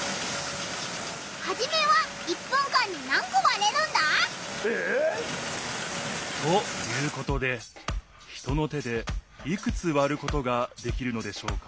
ハジメは１分間に何こ割れるんだ？え！？ということで人の手でいくつ割ることができるのでしょうか？